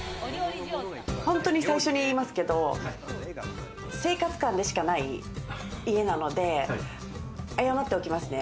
本当に最初に言いますけど、生活感でしかない家なので、謝っておきますね。